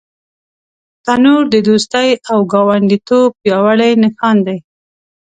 تنور د دوستۍ او ګاونډیتوب پیاوړی نښان دی